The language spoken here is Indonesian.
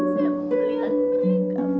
saya mau lihat mereka